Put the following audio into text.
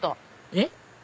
えっ？